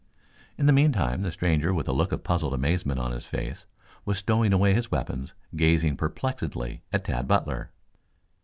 In the meantime the stranger with a look of puzzled amazement on his face was stowing away his weapons, gazing perplexedly at Tad Butler.